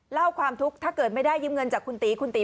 เล่าความทุกข์ถ้าเกิดไม่ได้ยืมเงินจากคุณตีคุณตี